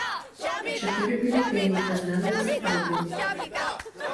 І чатыры бюлетэні прызнаныя несапраўднымі.